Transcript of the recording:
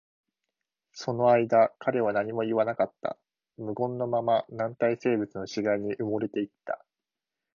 その間、彼は何も言わなかった。無言のまま、軟体生物の死骸に埋もれていった。